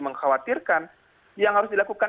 mengkhawatirkan yang harus dilakukan